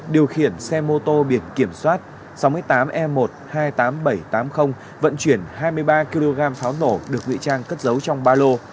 điều khiển xe mô tô biển kiểm soát sáu mươi tám e một hai mươi tám nghìn bảy trăm tám mươi vận chuyển hai mươi ba kg pháo nổ được nguy trang cất giấu trong ba lô